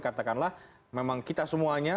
katakanlah memang kita semuanya